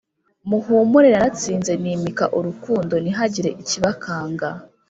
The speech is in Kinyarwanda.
Muhumure naratsinze nimika urukundo ntihagire ikibakanga